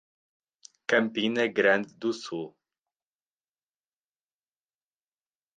Campina Grande do Sul